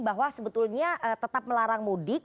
bahwa sebetulnya tetap melarang mudik